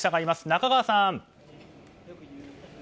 中川さん！